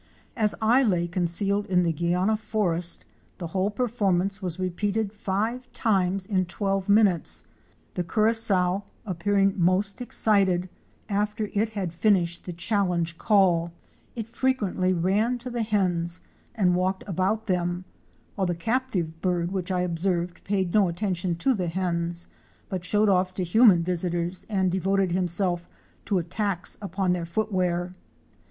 As I lay concealed in the Guiana forest, the whole per formance was repeated five times in twelve minutes, the JUNGLE LIFE AT AREMU. 237 Curassow appearing most excited after it had finished the challenge call. It frequently ran to the hens and walked about them, while the captive bird which I observed paid no attention to the hens, but showed off to human visitors and devoted himself to attacks upon their footwear.